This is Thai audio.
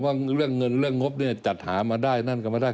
เรื่องเงินเรื่องงบเนี่ยจัดหามาได้นั่นก็ไม่ได้